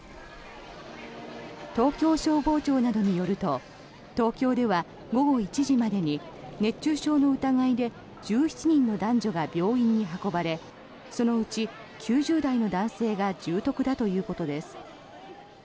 東京消防庁などによると東京では午後１時までに熱中症の疑いで１７人の男女が病院に運ばれそのうち９０代の男性が重篤だということです。